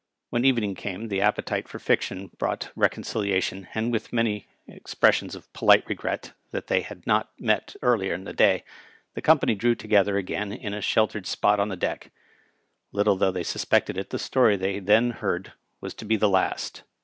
When evening came the appetite for fiction brought reconcilia tion, and, with many expressions of polite regret that they had not met earlier in the day, the company drew together again in a shel tered spot on deck. Little though they suspected it, the story they then heard was to be the last.